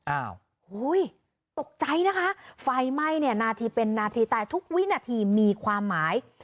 โอ้โหตกใจนะคะไฟไหม้เนี่ยนาทีเป็นนาทีตายทุกวินาทีมีความหมาย